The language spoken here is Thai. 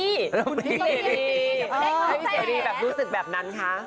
ให้พี่เจดีแบบรู้สึกแบบนั้นคะ